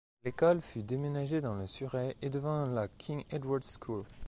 L'école fut déménagée dans le Surrey, et devint la King Edward's School.